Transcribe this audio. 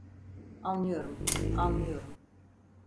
Anlıyorum, anlıyorum…